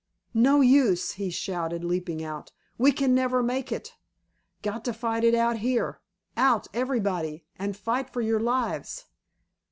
"No use," he shouted, leaping out, "we can never make it! Got to fight it out here! Out everybody, and fight for your lives!"